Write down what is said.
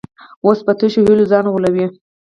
اوس په تشو هیلو ځان غولوي.